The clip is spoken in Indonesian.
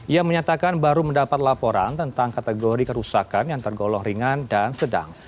ia menyatakan baru mendapat laporan tentang kategori kerusakan yang tergolong ringan dan sedang